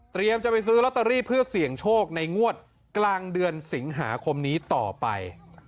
จะไปซื้อลอตเตอรี่เพื่อเสี่ยงโชคในงวดกลางเดือนสิงหาคมนี้ต่อไป